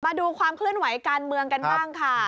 มาดูความเคลื่อนไหวการเมืองกันบ้างค่ะ